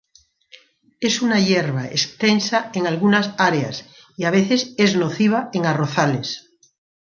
Es una hierba extensa en algunas áreas y a veces es nociva en arrozales.